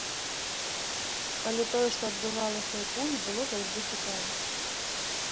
Але тое, што адбывалася ў пуні, было заўжды цікава!